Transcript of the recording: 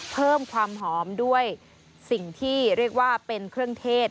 เพิ่มความหอมด้วยสิ่งที่เรียกว่าเป็นเครื่องเทศ